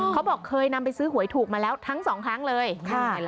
เขาบอกเคยนำไปซื้อหวยถูกมาแล้วทั้งสองครั้งเลย